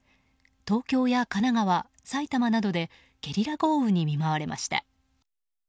東京や神奈川、埼玉などでゲリラ豪雨に見舞われました。